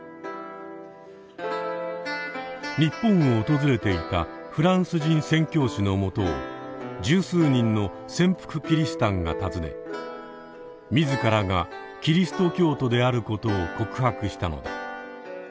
日本を訪れていたフランス人宣教師のもとを十数人の潜伏キリシタンが訪ね自らがキリスト教徒であることを告白したのだ。